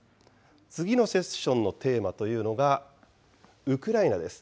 次のセッションのテーマというのがウクライナです。